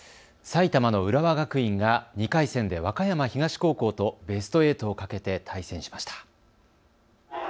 埼玉の浦和学院が２回戦で和歌山東高校とベスト８をかけて対戦しました。